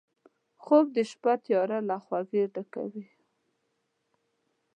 خوب د شپه تیاره له خوږۍ ډکوي